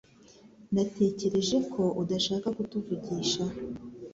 Natekereje ko udashaka kutuvugisha